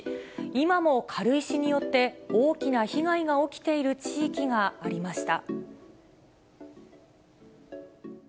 今も軽石によって大きな被害が起きている地域がありました。